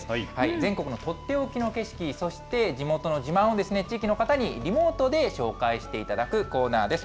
全国の取って置きの景色、そして地元の自慢を、地域の方にリモートで紹介していただくコーナーです。